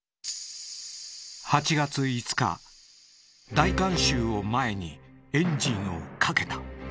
大観衆を前にエンジンをかけた。